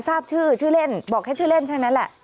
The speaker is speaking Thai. ทราบชื่อชื่อเล่นบอกแค่ชื่อเล่นทั้งนั้นแหละ